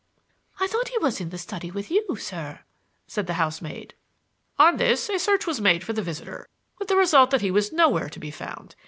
"'I thought he was in the study with you, sir,' said the housemaid. "On this a search was made for the visitor, with the result that he was nowhere to be found.